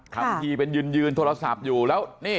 ทำทีเป็นยืนโทรศัพท์อยู่แล้วนี่